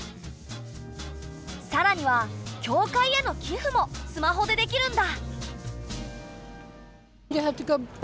さらには教会への寄付もスマホでできるんだ。